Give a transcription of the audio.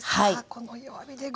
この弱火で５分！